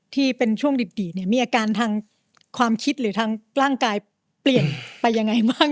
ที่เป็นช่วงดิบดีเนี่ยมีอาการทางความคิดหรือทางร่างกายเปลี่ยนไปยังไงบ้าง